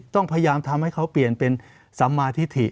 ต้องพยายามทำให้เขาเปลี่ยนเป็นสมาธิถิ